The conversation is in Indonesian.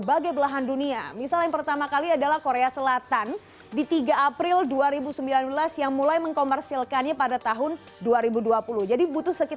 apa yang terjadi